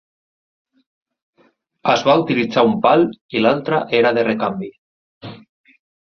Es va utilitzar un pal i l'altre era de recanvi.